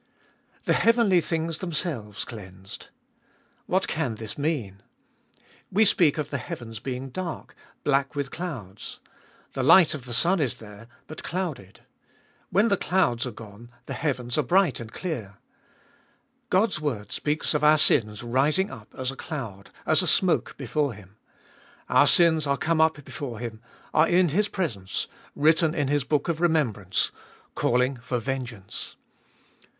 The heavenly things themselves cleansed. What can this mean ? We speak of the heavens being dark, black with clouds. 320 abe IboHest of ail The light of the sun is there, but clouded. When the clouds are gone the heavens are bright and clear. God's word speaks of our sins rising up as a cloud, as a smoke before Him. Our sins are come up before Him, are in His presence, written in His book of remembrance, calling for vengeance.